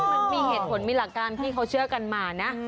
มันมีเหตุผลมีหลักการที่เขาเชื่อกันมานะ